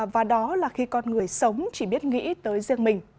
và đó là khi con người sống chỉ biết nghĩ tới riêng mình